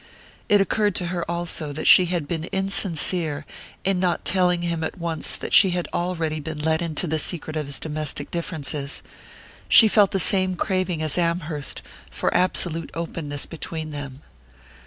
It occurred to her also that she had been insincere in not telling him at once that she had already been let into the secret of his domestic differences: she felt the same craving as Amherst for absolute openness between them.